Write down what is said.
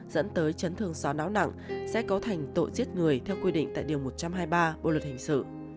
dẫn tới chấn thương sò não nặng sẽ cấu thành tội giết người theo quy định tại điều một trăm hai mươi ba bộ luật hình sự